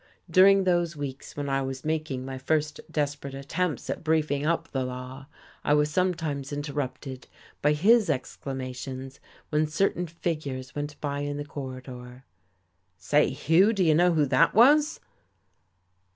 During those weeks when I was making my first desperate attempts at briefing up the law I was sometimes interrupted by his exclamations when certain figures went by in the corridor. "Say, Hugh, do you know who that was?"